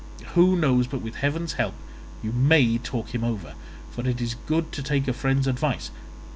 Who knows but with heaven's help you may talk him over, for it is good to take a friend's advice.